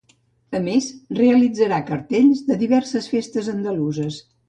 A més, realitzarà cartells de diverses festes andaluses.